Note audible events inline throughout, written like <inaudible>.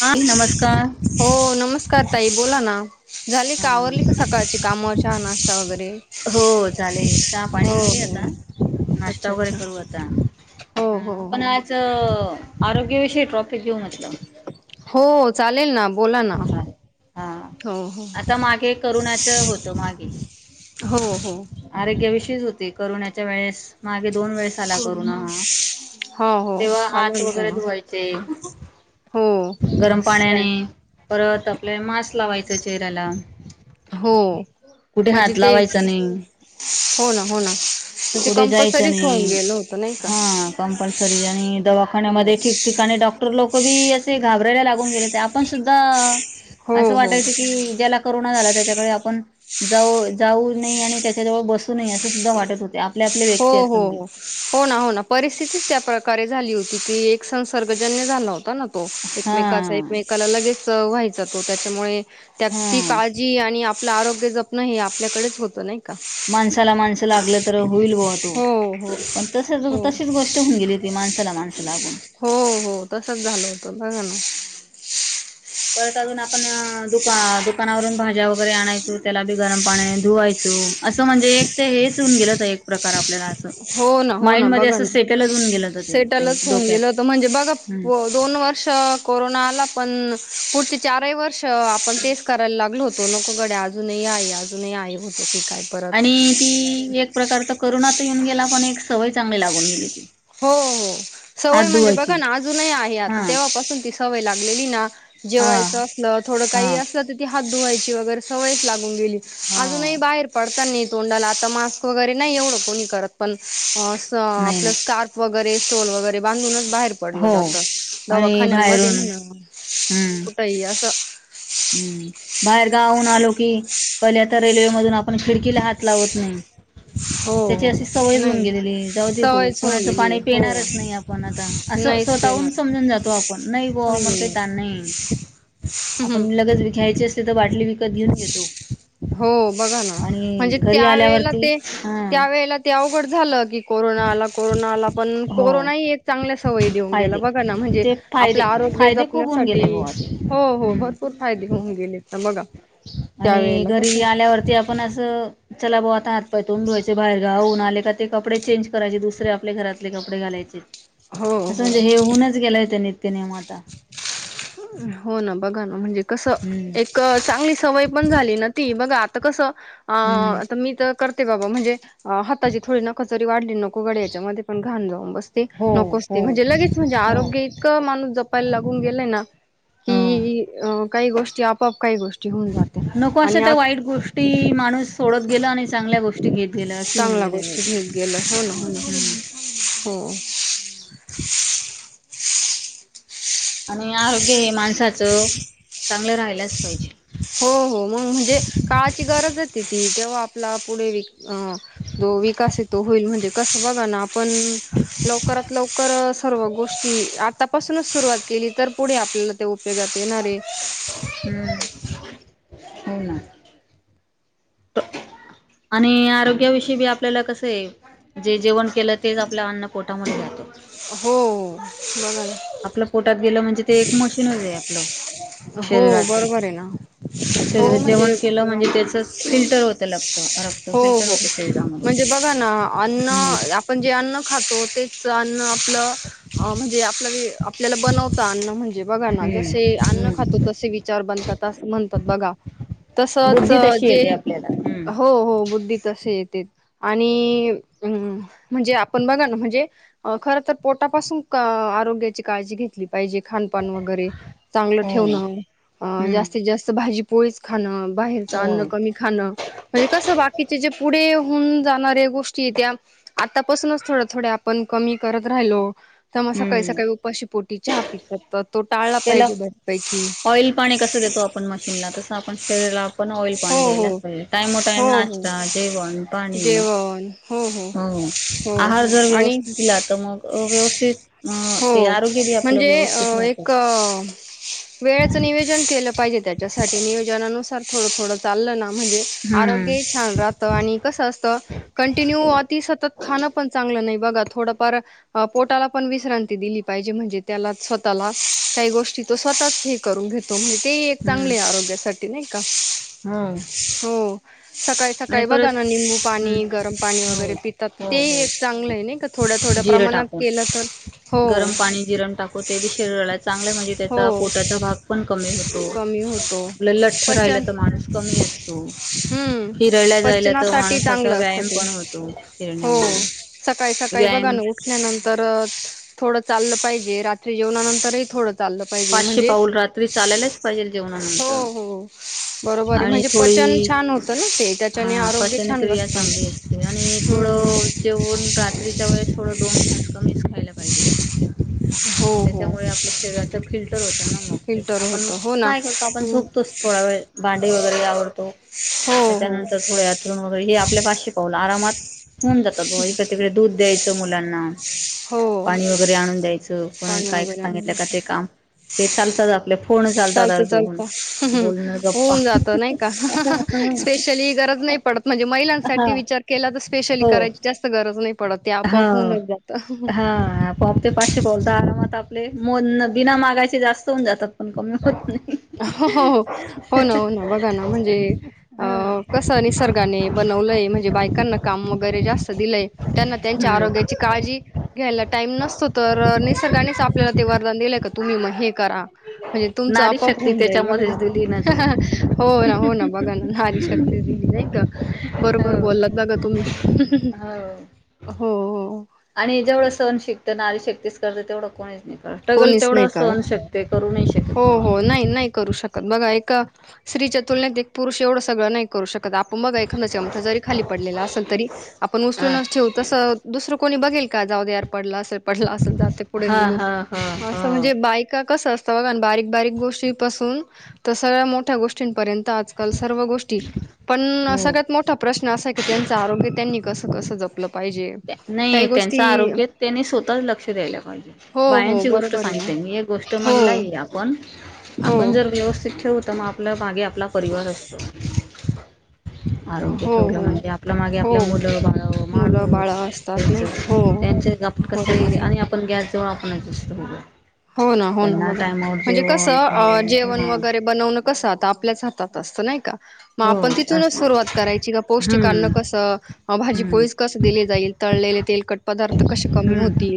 हा नमस्कार. हो नमस्कार ताई बोला ना झाली हा. का आवरली का सकाळची कामावर चहा नाश्ता वगैरे हो झाले चहा पाणी हो झाले हो आता अच्छा नाश्ता वगैरे अच्छा करू आता हो हो हा पण हो आज आरोग्याविषयी ट्रॉफिक घेऊ म्हटलं. हो चालेल ना बोला ना चालेल. हा हो हो आता मागे करुणाच होतं मागे हो हो करण्याच्या वेळेस मागे दोन वेळेस आला कोरोना हो हो तेव्हा आलं आत ना वगैरे त्याला धुवायचे गरम पाण्याने परत आपल्या मास्क लावायचं चेहऱ्याला हो. कुठे म्हणजे हात ते लावायचा नाही. हो ना हो ना म्हणजे पुुढे जायचं कंपल्सरीच होऊन नाही गेलं होतं नाही का हा कंपल्सरी आणि हो दवाखान्यामध्ये ठिकठिकाणी डॉक्टर लोक बी असे घाबरायला लाग गेले होते, आपण सुद्धा असं हो हो वाटायच कि ज्याला करोना झाला त्याच्याकडे आपण जाऊ जाऊ नही आणि त्याच्या जवळ बसू नये सुद्धा वाटत होते. आपले आपले हो व्यक्ती हो असून बी हो हो ना हो ना परिस्थितीच त्या प्रक रे झाली होती ती एक संसर्गजन्य झाला होता ना तो हा एकमेकाच एकमे लगेच व्हायचा तो, त्याच्यामुळे ती हा काळजी आणि आपलं आरोग्य जपण हे आपल्याकडेच होत नाही? का माणसाला माणसं लागलं तर हो पण हो तशीकज गोष्ट होऊन गेली होती, माणसाला माणसं लागून हो हो तसच झाल होतं बघ ना परत अजून आपण दुका दुकानावरून भाज्या वगैरे आणायचो त्याला बी गरम पाणी धुवायच असं म्हणजे एक ते हेच होऊन गेल तर एक प्रकार आपण हो ना, हो ना, बघा ना सेटलच होऊन गेलं तर ते सेटलच होऊन डोक्यात गेल होत म्हणजे बघ हम्म. दोन वर्ष कोरोना आला पण पुढचे चारही वर्ष आपण तेच करायला लागलो होतो. हो नको गड्या अजूनही आहे अजूनही आहे होतो कि काय परत आणि ती एक प्रकार तर करुणात येऊन गेला पण एक सवय चांगली लागून गेली ती. हो हो हात सवय म्हणजे बघा धुवायची ना अजूनही आहे आता हा तेव्हापासून ती सवय लागते. हा जेवायच अस थोड काही हा. असलं तर ती हात धुवायची वगैरे सवयच लागून गेली. अजूनही हो बाहेर पडत नाही तोंडाला आता मास्क वगैरे नाही एवढं कोणी करत, पण नाही ना आपलं स्कार्फ वगैरे स्टोल वगैरे बांधूनच बाहेर पडलं हो. जात आणि दवाखान्यांमध्ये बाहेरून म्हण हम्म कुठही असं हम्म बाहेर मधून आपण खिडकीला हात लावत नाही. हो. त्याची हो अशी सवयचं होऊन नाही नाही गेलेली जाऊ दे भाऊ सवयच होऊन कुणाचं गेली पाणी हो पिणारच नाही आपण आता असं नाहीच ते स्वतःहून ना पण समजून जातो आपण नाही बो मला काही ताण नाही. हम्म. पण लगच विकायची असते तर बाटली विकत घेऊन घेतो. हो बघा ना आणि म्हणजे घरी त्यावेळेला आल्यावरती ते हा त्यावेेळेला ते अवघड झालं की कोरोना आला, कोरोना आला, पण हो कोरोना ह एक चांगल्या सवयी देऊन गेला फायदे बघा ना म्हणजे ते फायदे आपल्या आरोग्य फायदे खूप होऊन जपण्यासाठी गेले बुवा ते हो हो भरपूर हम्म फायदे होऊन गेले तर बघा आणि त्यावेेळेला कसं घरी आल्यावरती आपण असं चला बोल आता हात पाय तोंड धूवायचे बाहेर जाऊन आले का, ते कपडे चेंज करायचे दुसरे आपले घरातले कपडे घालायचे हो असं हो म्हणजे हे होऊनच गेलं हो त्या नित्य नेम आता हो ना बघा ना म्हणजे कसं हम्म एक चांगली सवय पण झाली ना ती बघा आ कसं हम्म अ मी तर करते बाबा म्हणजे हाताची थोडी नख जरी वाढली, नको गडया याच्यामध्ये पण घाण जाऊन बसते हो नको हो असते म्हणजे लगेच म्हणजे हो आरोग्य इतक माणूस जपायला लागून गेलाय ना हो की, काही गोष्टी आपप नको अशा त्या वाईट गोष्टी माणूस सोडत गेल आणि चांगल्या गोष्टी घेत गेल्या. चांगळ्या गीष्टीत होऊन गेलं, हो ना हो ना हम्म हो <inaudible> <inaudible> आणि आरोग्य हे माणसाचं, चांगलं राहिलाच पाहिजे हो हो मग म्हणजे काळाची गरजच ती, तेव्हा आपला पुढे विकास जो विकास तो होईल म्हणजे कस बघा ना आपण लवकरात लवकर सर्व गोष्टी आतापासूनच सुरुवात केली तर पुढे आपल्याला ते उपयोगात येणारे हम्म हो ना. आणि आरोग्याविषयी बी आपल्याला कसं आहे. जे जेवण केलं तेच आपल्या अन्न पोटामध्ये जातं. हो. बघा ना आपलं पोटात गेलं म्हणजे ते एक मशीनच आहे आपलं. हो शरीराच बरोबर आहे ना हो शरीर म्हणजे जेवण केलं अ म्हणजे त्याच फिल्टर होत लागतं. रक्त हो फिल्टर हो होतं म्हणजे शरीरामध्येच बघा ना अन्न हम्म आपण जे अन्न खातो तेच अन आप म्हणजे आप आपल्या बनत अन्न म्हणजे बघा ज हम्म. अन् खातो हम्म. त विचार बनतात म्हणतात बघा तसच बुद्धी तशी जे येते आपल्याला. हम्म. हो हो बुद्धी तसे येते. आणि अ म्हणजे आपण बघा ना म्हणजे खर तर पोटापासून आरोग्याची काळजी घेतली पाहिजे खानपान वगैरे चांगलं हो. ठेवणं हम्म. जास्तीत जास्त भाजी पोळीच खाणं, बाहेरच हो. अन्न कमी खाणं, म्हणजे कसं बाकीचे जे पुढे जाऱ्या गोष्टी त्या आतापासूनच थोड्या थोड्या आपण कमी करत राहिलो तसं सकाळी हम्म. सकाळी उपाशी पोटी चहा पितत तर तो टाळला त्याला पाहिजे बर. ऑइल पाणी कसं देतो आपण मशीनला तस आपण शरीराला आपण ऑइल पाणी हो हो द्यायलाच पाहिजे टाइम टाईम हो हो नाशता, जेवण, पाणी जेवण हो हो हो आहार हो जर आणि व्यवस्थ तर मग व्यवस्थित हो ते आरोग्य बी आपलं व्यवस्थित राहत. वेळच नियोजन केलं पाहिजे त्याच्यासाठी नियोजनानुसार थोडं थोडं चाललं ना म्हणजे हम्म. आरोग्य छान राहत आणि कस असत कंटिन्यू अ सतत खाण पण चांगलं नाही बा थोडफार पोटाला पण विश्रांती दिली पाहिजे म्हणजे त्या स्वतःला काही गोष्टी तो स्वतःच हे करून घेतो म्हणजे ते एक हम्म. चांगले आहे आरोग्यासाठी नाही का हम्म. हो. सकाळी आणि सकाळी बघा परत ना निंबू हम्म. पाणी, गरम पाणी हो. वगैरे पितात तर हो ते हो एक चांगलं हो. आहे नाही का थोड्या थोड्या जिरं प्रमाणात टाकू केलं तर हो गरम पाणी, जिरम टाकू ते बी शरीराला चांगले म्हणजे हो त्या पोटाचा भाग पण कमी होतो, कमी होतो आपलं लठ्ठ पचन राहिला तर माणूस कमी असतो. हम्म फिरायला जायला तर पच्चनासाठी माणसाचा चांगलं असत व्यायाम ते पण होतो फिरण्यामुळे हो. सकाळी सकाळी बघा व्यायाम ना हा उठल्यानंतर थोडं चाललं पाहिजे, रात्री जेवणानंतरही थोडं चाललं पाहिजे पाचशे म्हणजे पाऊल रात्री चालायलाच पाहिजे हो जेवणानंतर. हो बरोबर आहे आणि म्हणजे पचन थोडी छान होतं ना ते त्याच्याने हा आरोग्य छान पचनक्रिया बसतं चांगली असते आणि थोड हम्म हो जेवण रात्रीच्या वेळेस थोडं दोन खास कमीच खायला पाहिजे. हो हो. आप शरीराच फिल्टर होतं ना मग ते फिल्टर आपणग होतं हो ना काय करतो आपण हं, झोपतोच थोडा वेळ भांडे वगैरे आवडतो हो हो त्याच्यानंतर थोडे अथरण वगैरे हे आपल्या पाचशे पावलं आरामात होऊन जातात इकडे तिकडे दूध द्यायचं मुलांना, हो पाणी वगैरे आणून द्यायचं. को पाणी काही वगैरे सांगितलं आणलं का ते की काम ते चालतात आपले फोन चालतं चालतातज चालतं बोलण ग् होऊन जातं नाही का स्पेशली गरज नाही पडत म्हणजे हा महिलांसाठी विचार केला तर स्पेशली हो करायची जास्त गरज नाही पडत. ते हा आपोआप होऊनच जातं हा पोपते पाशे बोलता आमात आपले मो बिना मागायचे जास्त होऊन जातात पण कमी होत नाही. हो ना हो ना बघा ना म्हणजे अ हा कस निसर्गाने ब नवले म्हणजे बायकांना काम वगैरे जास्त दिले त्यांना त्या हम्म आरोग्याची काळजी घ्यायला टाईम नसतो तर निसर्गानेच आपल्याला ते वरदान दि तुम्ही मग हे करा म्हणजे तुम नारी पप शक्ती होऊन जाईल बघा ना त्याच्यामध्येच दिली ती. हो ना हो ना बघा ना नारी शक्ती दिली नाही ग बरोबर हो. बोललात बघा तुम्ही हो. हो. आणि जेवढं सण शिकतं नारी शक्तीच करतं तेवढं कोणीच नाही. टगल कोणीच तेवढं नाही असं करत अनू शकते करू नाही हो शकत बॉ. हो नाही नाही करू शकत बघा एका स्त्रीच्या तुलनेत एक पुरुष एवढं सगळं नाही करू शकत आपण बघा एखादा चमचा जरी खाली पडलेला असेल तरी आपण उचलूनचेू तसं दुसरं कोणी बघी एका जाऊ देर पडला असेल पडला असेल तर पुढे हा निघून हा हा असं हा. म्हणजे बायका कस असत बघ बारीक बारीक गोष्टी पासून तर सगळ्या मोठ्या गोष्टींपर्यंत त आजकाल सर्व गोष्टी पण हो. सगळ्यात मोठा प्रश्न असा आहे की त्यांच आरोग्य त्यांनी कसं कसं जपलं. पाहिजे काही नाही गोष्टी त्यांचं आरोग्य त्यांनी स्वतः लक्ष द्यायला पाहिजे. हो हो बायांची गोष्ट बरोबर सांगित ना आहे मी एक गोष्ट हो महिलाही आपण हो आपण जर व्यवस्थित ठेवत मग आपलं मागे आपला परिवार असतो. आरोग्य हो ठेवलं हो म्हणजे आपलं मागे आपलं हो मुलं बाळ मुलं बाळ माणूस असतात त्यांच नाही का? हो त्यांचे बरोबर कसे आहे आणि आपण गॅस जऊन आपण हो ना हो ना बघा म्हणजे कस खाऊन जेवण हा वगैरे बनवणं कसं आता आपल्याच हातात अस नाही का मग हो आपण तिथूनच असं सुरुवात करायची का पौष्टिकांना हम्म कसं भाजी हम्म पोळीस कस दिली जाईल तळलेले तेलकट पदार्थ कसे कमी हम्म होतील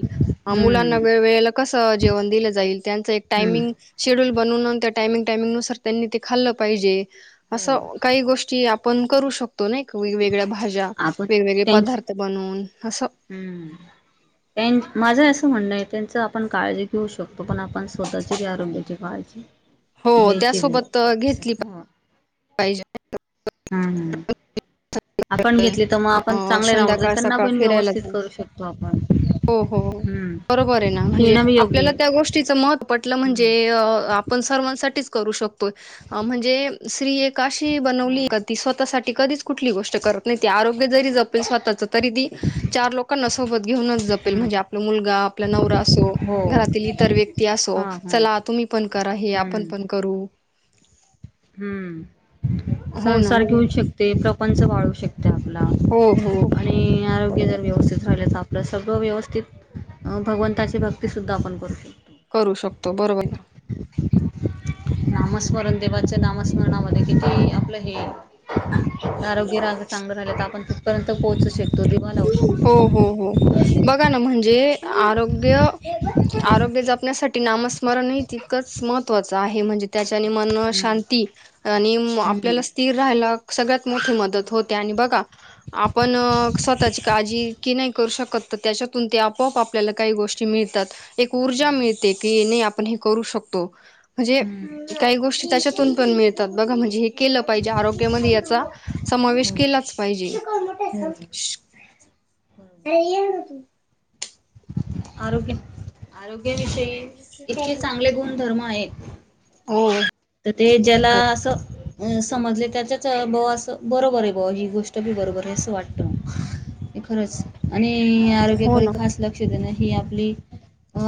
मुलांना हम्म वेळवेळेला कस हो जेवण दिले जाईल त्यांचा एक हम्म टाइमिंग शेड्युल म्हणून नंतर टाइमिंग टाइमिंगनुसार त्यांनी ते खाल्लं पाहिजे हो असा काही गोष्टी आपण करू शकतो नाही का वेगवेगळ्या भाज्या आपण वेगवेगळे त्यांच पदार्थ बनून असं. हम्म माझं असं म्हणणं आहे त्यांच आपण काळजी घेऊ शकतो पण आपण स्वतःची बी आरोग्याची काळजी हो घ्यायची बी त्यासोबत घेतली हो पाहिजे. हम्म. आपण घेतली तर मग आपण अ चांगले राहडतो संध्याकाळ त्यांना सकाळ पण फिरायला व्यवस्थित जाणे करू शकतो आपण हो हो हम्म बरोबर आहे ना म्हणजे घेणं बी योग्य आपल्याला आहे त्या गोष्टीच महत्व पटलं म्हणजे हम्म आपण सर्वांसाठीच करू शकतो म्हणजे स्त्री एक अशी बनवली हम्म का ती स्व साठी कधीच कुठली गोष्ट करत नाही आरोग्य जरी जपेल स्वतःच तरी ती चार लोकांना सोबत घेऊनच जपेल म्हणजे हम्म आप मुलगा आपला नवरा असो हो घरातील इतर व्यक्ती असो हा हा चला तुम्ही पण करा हे आपण हम्म पण करू हम्म हो ना संसार घेऊ बरोबर. शकते प्रपंच वाळू शक हो हो आप आणि आरोग्य जर बरोबर आहे व्यवस्थित राहिल तर आप आपलं सर्व व्यवस्थित भगवंताची भक्तीसुद्धा आपण करू शकतो. करू शकतो बरोबर ना. नामस्मरण देवाच्या नामस्मरणामध्ये किती आपलं हे आरोग्य राग चांगलं झालं तर आपण तिथपर्यंत पोहोचू श हो हो हो बघा ना म्हणजे आरोग्य आरोग्य जपण्यासाठी नामस्मरणही तितकंच महत्वाचं आहे म्हणजे त्या मन हम्म शांती आणि आपल्याला हम्म स्थिर राहाला सगळ्यात मोठी मदत होते आणि बघा आपण काजी की नाही करू शकत तर त्याच्यातून ते आपोआप आपल्याला काही गोष्टी मिळतात एक ऊर्जा मिळते की ते आपण हे करू शकतो हम्म मिळतात काही गोष्टी त्याच्यातून पण मिळतात बघा म्हणजे केलं पाहिजे आरोग्यामध्ये याचा समावेश हो केलाच पाहिजे. हो बरोबर <unintelligible> आरोग्य आरोग्याविषयी इतके चांगले गुणधर्म आहेत हो. तर ते ज्याला असं अ समजले त्याच्याच भावा अस बरोबर आहे भाऊ ही गोष्ट बी बरोबर आहे असं वाटत. हे खरंच आणि हो आरोग्याकडे ना खास लक्ष देणं ही आपली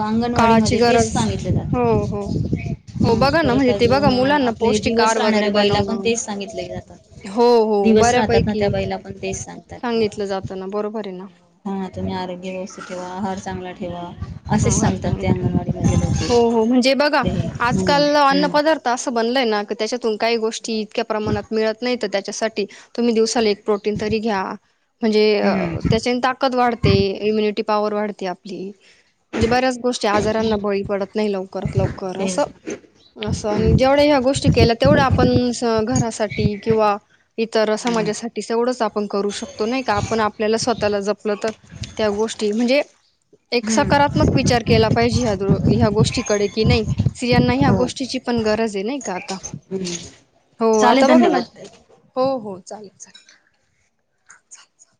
अंगणवाडी काळाची मधे तेच गरज सांगितलं हो हो जात. हा हो बघा ना परत म्हणजे ते बघा अजून मुलांना आपले पौष्टिक दिवस आहार राहणाऱ्या वगैरे बाईला पण बनवणं तेच सांगितले जातात. हो हो दिवस राहतात ना त्या बऱ्यापैकी बाईला पण तेच सांगतात. सांगितलं जातं ना बरोबर आहे ना हा तुम्ही आरोग्य व्यवस्थित ठेवा आहार चांगला ठेवा असेच आहार सांगतात ते सांगितलं. अंगणवाडीमध्ये. हो हो म्हणजे बघा आजकाल अन्न हम्म पदार्थ असं बनलय ना? त्याच्यातून काही गोष्टी इतक्या प्रमाणात मिळत नाही तर त्याच्यासाठी, तुम्ही दिवसाल एक प्रोटीन तरी घ्या म्हणजे हम्म त्याच्या ताकद वाढते इम्युनिटी. पॉवर वाढते आपली. म्हणजे बऱ्याच गोष्टी आजारांना बळी पडत नाही लवकरात लवकर असं. तेच असं आणि हम्म जेवढ्या ह्या गोष्टी केल्या तेवढ्या आपण घरासाठी किंवा इतर. माझ्यासाठी एवढंच आपण करू शकतो नाही का आपण आपल्याला स्वतःला जपलं तर. त्या गोष्टी म्हणजे एक हम्म सकारात्म. हम्म विचार केला पाहिजे ह ह्या गोष्टीकडे की नाही, स्रियांना ह्या गोष्टीची पण गरज आहे नाही का? आता हम् हो आता बघा ना! हो हो चालेल चाल